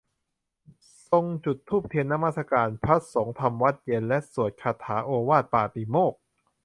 ทรงจุดธูปเทียนนมัสการ พระสงฆ์ทำวัตรเย็นและสวดคาถาโอวาทปาติโมกข์